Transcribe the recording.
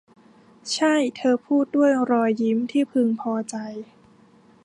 ใช่ เธอพูด ด้วยรอยยิ้มที่พึงพอใจ